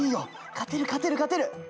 勝てる勝てる勝てる！